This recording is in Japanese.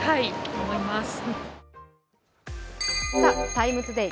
「ＴＩＭＥ，ＴＯＤＡＹ」